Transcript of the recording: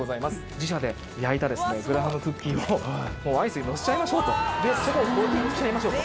自社で焼いたグラハムクッキーをもうアイスにのせちゃいましょうとで外をコーティングしちゃいましょうと。